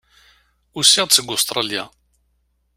Usiɣ-d seg Ustṛalya.